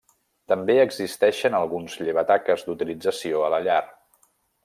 També existeixen alguns llevataques d'utilització a la llar.